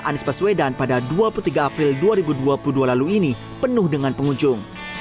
anies paswedan pada dua puluh tiga april dua ribu dua puluh dua lalu ini penuh dengan pengunjung